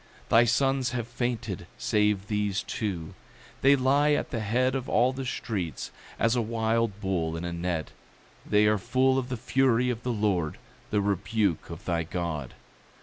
8:20 Thy sons have fainted, save these two; they lie at the head of all the streets; as a wild bull in a net, they are full of the fury of the Lord, the rebuke of thy God.